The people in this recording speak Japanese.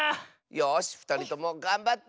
よしふたりともがんばって！